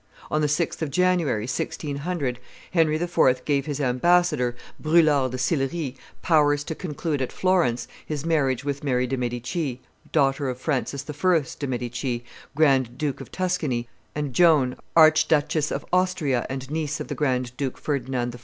On the 6th of January, 1600, Henry IV. gave his ambassador, Brulart de Sillery, powers to conclude at Florence his marriage with Mary de' Medici, daughter of Francis I. de' Medici, Grand Duke of Tuscany, and Joan, Archduchess of Austria and niece of the Grand Duke Ferdinand I.